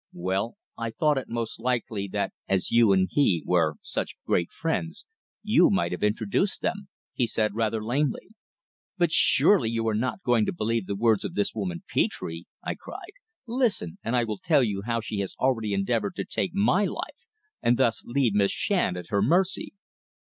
"Well, I thought it most likely that as you and he were such great friends, you might have introduced them," he said, rather lamely. "But surely you are not going to believe the words of this woman Petre?" I cried. "Listen, and I will tell you how she has already endeavoured to take my life, and thus leave Miss Shand at her mercy."